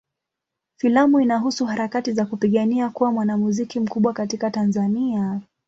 Filamu inahusu harakati za kupigania kuwa mwanamuziki mkubwa katika Tanzania.